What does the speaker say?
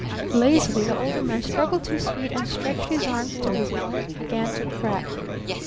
Lazily the Older Man struggled to his feet and stretched his arms till his bones began to crack.